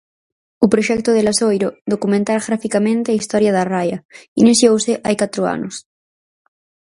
O proxecto de Lazoiro, documentar graficamente a historia da Raia, iniciouse hai catro anos.